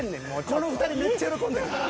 この２人めっちゃ喜んでる。